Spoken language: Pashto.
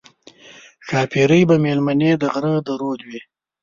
ښاپېرۍ به مېلمنې د غره د رود وي